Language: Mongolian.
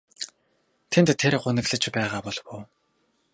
Тэнд тэр гуниглаж байгаа болов уу?